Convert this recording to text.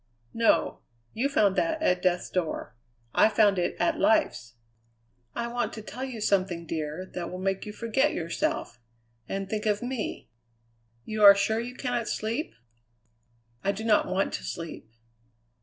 "No. You found that at death's door; I found it at life's. I want to tell you something, dear, that will make you forget yourself and think of me. You are sure you cannot sleep?" "I do not want to sleep."